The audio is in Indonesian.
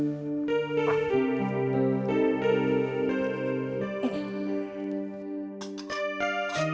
nggak enak nanti ganggu keharmonisan keluarga lagi